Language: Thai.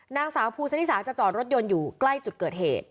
นางสาวภูสนิสาจะจอดรถยนต์อยู่ใกล้จุดเกิดเหตุ